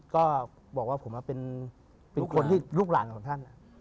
ก็บอกว่าผมเป็นคนที่ลูกหลานของท่าน